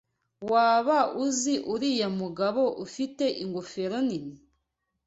Waba uzi uriya mugabo ufite ingofero nini?